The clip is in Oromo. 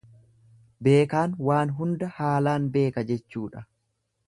Beekaan waan hunda haalaan beeka jechuudha.